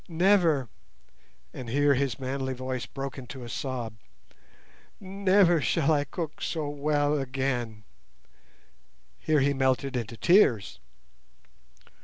Never"—and here his manly voice broke into a sob—"never shall I cook so well again." Here he melted into tears.